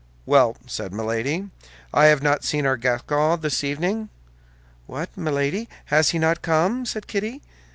"Well," said Milady, "I have not seen our Gascon this evening." "What, Milady! has he not come?" said Kitty.